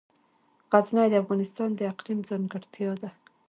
غزني د افغانستان د اقلیم ځانګړتیا ده.